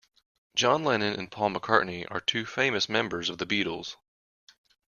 John Lennon and Paul McCartney are two famous members of the Beatles.